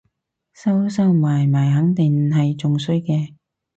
收收埋埋肯定係仲衰嘅